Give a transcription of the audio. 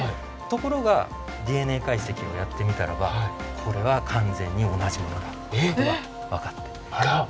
ところがＤＮＡ解析をやってみたらばこれは完全に同じものだっていうことが分かって。